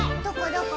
どこ？